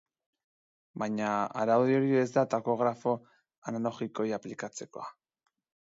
Baina araudi hori ez da takografo analogikoei aplikatzekoa.